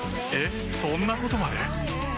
えっそんなことまで？